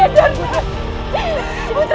nanda prabu surrawi seja